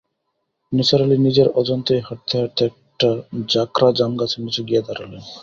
নিসার আলি নিজের অজান্তেই হাঁটতে-হাঁটতে একটা ঝাঁকড়া জামগাছের নিচে গিয়ে দাঁড়ালেন।